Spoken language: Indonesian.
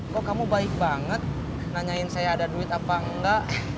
kok kamu baik banget nanyain saya ada duit apa enggak